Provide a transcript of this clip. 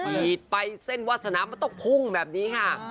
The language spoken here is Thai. ีดไปเส้นวาสนามะต้องพุ่งแบบนี้ค่ะ